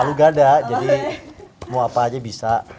lalu gak ada jadi mau apa aja bisa